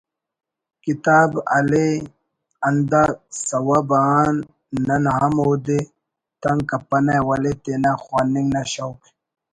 کتاب ہلے ہندا سوب آن نن ہم اودے تنک کپنہ ولے تینا خواننگ نا شوق